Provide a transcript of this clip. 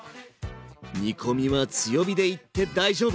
煮込みは強火でいって大丈夫！